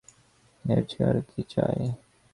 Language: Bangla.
এর চেয়ে আর কী চাই।